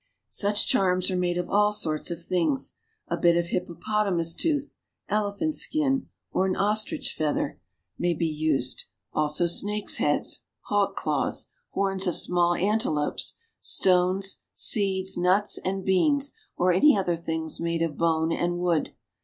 Such charms are made of all sorts of things. A bit of hippopotamus tooth, elephant skin, or an ostrich feather may 4 I 4 igS AFRICA be used, also snakes' heads, hawk claws, horns of small antelopes, stones, seeds, nuts, and beans, or other things made of bone and wood.